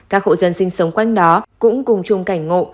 các hộ dân sinh sống quanh đó cũng cùng chung cảnh ngộ